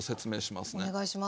お願いします。